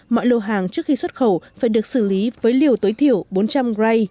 mọi lô hàng trước khi xuất khẩu phải được xử lý với liều tối thiểu bốn trăm linh g